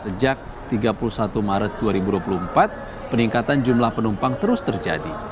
sejak tiga puluh satu maret dua ribu dua puluh empat peningkatan jumlah penumpang terus terjadi